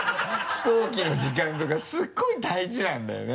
飛行機の時間とかすっごい大事なんだよね。